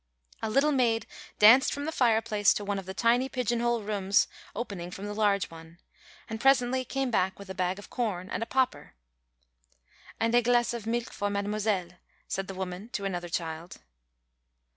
A little maid danced from the fireplace to one of the tiny pigeon hole rooms opening from the large one, and presently came back with a bag of corn and a popper. "And a glass of milk for mademoiselle," said the woman to another child.